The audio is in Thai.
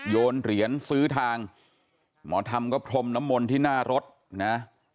โยนเหรียญซื้อทางหมอธรรมก็พรมน้ำมนต์ที่หน้ารถนะ